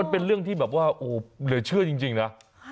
เป็นเรื่องที่เหลือชื่อจริงนะ